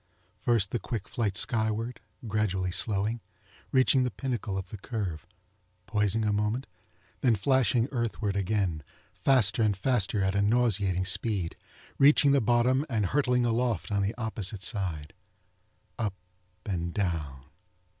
First the quick flite skyward, gradually slowing, reaching the pinnacle of the curve, poising a moment, then flashing earthward again, faster and faster at a nauseating speed, reaching the bottom and hurtling aloft on the opposite side. Up and down.